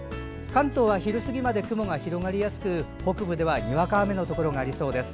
関東は昼過ぎまで雲が広がりやすく北部ではにわか雨のところがありそうです。